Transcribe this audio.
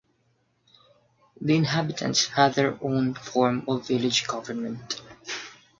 The inhabitants had their own form of village government.